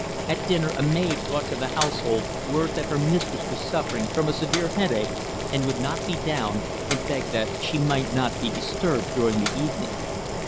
At dinner, a maid brought to the household word that her mistress was suffering from a severe headache and would not be down and begged that she might not be disturbed during the evening.